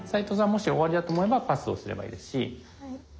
もし終わりだと思えばパスをすればいいですし。